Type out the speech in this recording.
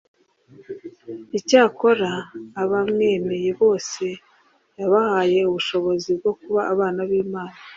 "Icyakora abamwemeye bose yabahaye ubushobozi bwo kuba abana b'Imana."